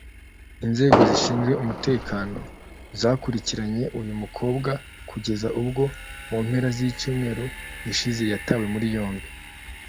Inzego zishinzwe umutekano zakurikiranye uyu mukobwa kugeza ubwo mu mpera z’icyumweru gishize yatawe muri yombi